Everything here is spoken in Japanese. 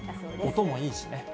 音もいいしね。